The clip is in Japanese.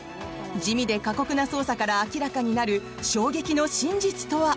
地味で過酷な捜査から明らかになる衝撃の真実とは？